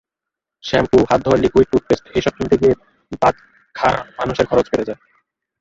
Shampoo, হাত ধোয়ার liquid, টুথপেস্ট—এসব কিনতে গিয়ে বাঁধগাঁর মানুষের খরচ বেড়ে যায়।